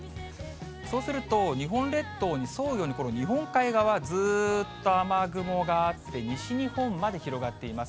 そうすると、日本列島に沿うように、日本海側ずーっと雨雲があって、西日本まで広がっています。